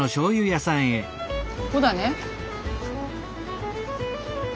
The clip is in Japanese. ここだね。